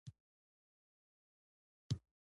امیر شېر علي خان د وروڼو سره د جنګونو په وخت کې.